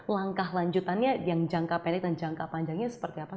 langkah lanjutannya yang jangka pendek dan jangka panjangnya seperti apa